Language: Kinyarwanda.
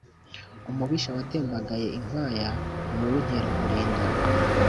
Umubisha watembagaye inkwaya ni uw’Inkerakulinda